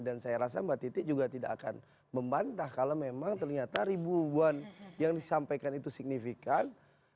dan saya rasa mbak titi juga tidak akan membantah kalau memang ternyata ribuan yang disampaikan itu signifikan